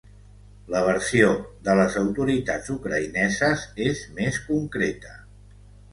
La versió de les autoritats ucraïneses és més concreta.